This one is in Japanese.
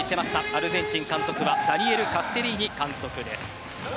アルゼンチン監督はダニエル・カステリーニ監督です。